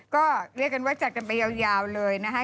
ก็เรียกกันว่าจัดกันไปยาวเลยนะคะ